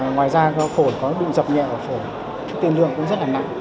ngoài ra phổn có đụng dập nhẹ của phổn tiên lương cũng rất là nặng